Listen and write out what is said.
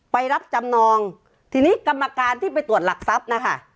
ไปรับจำนองทีนี้กรรมการที่ไปตรวจหลักทรัพย์นะคะ